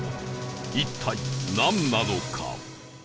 一体なんなのか？